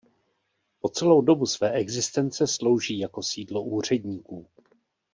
Po celou dobu své existence slouží jako sídlo úředníků.